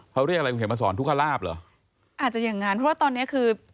เขาเรียกอะไรคุณเขียนมาสอนทุกขลาบเหรออาจจะอย่างงั้นเพราะว่าตอนเนี้ยคือ